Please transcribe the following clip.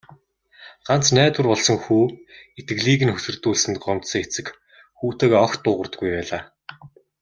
Ганц найдвар болсон хүү итгэлийг нь хөсөрдүүлсэнд гомдсон эцэг хүүтэйгээ огт дуугардаггүй байлаа.